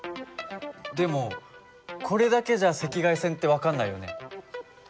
でもこれだけじゃ赤外線って分かんないよね。